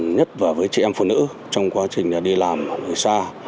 nhất và với chị em phụ nữ trong quá trình đi làm ở người xa